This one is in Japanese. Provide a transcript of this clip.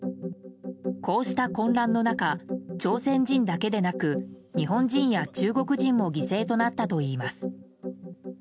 こうした混乱の中朝鮮人だけでなく日本人や中国人も犠牲となったといいます。